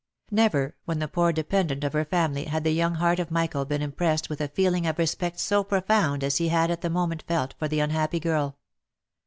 Never, when the poor dependant of her family, had the young heart of Michael been impressed with a feeling of respect so profound as he at that moment felt for the unhappy girl.